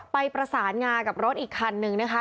ประสานงากับรถอีกคันนึงนะคะ